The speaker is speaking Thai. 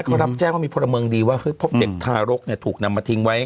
เขารับแจ้งว่ามีพลเมืองดีว่าพบเด็กทารกถูกนำมาทิ้งไว้